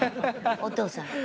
お父さん。